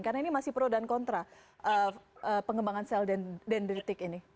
karena ini masih pro dan kontra pengembangan sel dendritik ini